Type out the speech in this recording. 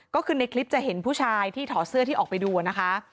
ก็คือในคลิปจะเห็นผู้ชายที่ถอดเสื้อที่ออกไปดูนะคะ